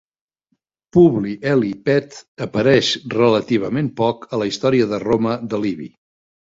Publi Eli Pet apareix relativament poc a la "Història de Roma" de Livi.